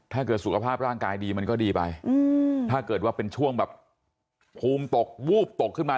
ถ้าเกิดสุขภาพร่างกายดีมันก็ดีไปถ้าเกิดว่าเป็นช่วงแบบภูมิตกวูบตกขึ้นมา